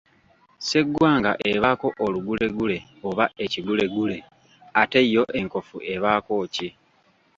Sseggwanga ebaako olugulegule oba ekigulegule, ate yo enkofu ebaako ki?